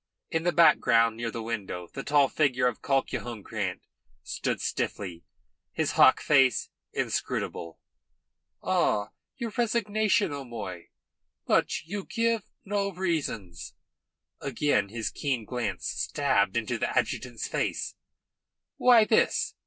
In the background, near the window, the tall figure of Colquhoun Grant stood stiffly erect, his hawk face inscrutable. "Ah! Your resignation, O'Moy. But you give no reasons." Again his keen glance stabbed into the adjutant's face. "Why this?"